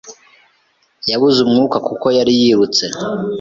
Yabuze umwuka kuko yari yirutse.